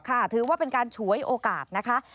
ถือว่าเป็นการฉวยโอกาสนะคะ